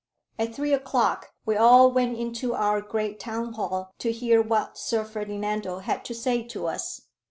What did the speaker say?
At three o'clock we all went into our great town hall to hear what Sir Ferdinando had to say to us.